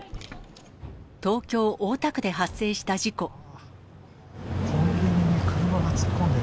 東京・大田区で発生した事故。